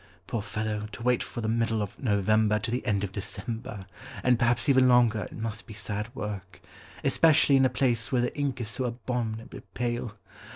Poor fellow, to wait from the middle of November to the end of December, and perhaps even longer, it must be sad work; especially in a place where the ink is so abominably pale.